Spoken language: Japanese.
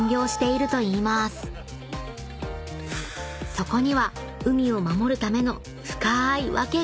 ［そこには海を守るための深ーい訳が］